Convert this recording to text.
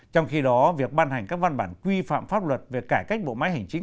trong khi đó việc ban hành các văn bản quy phạm pháp luật về cải cách bộ máy hành chính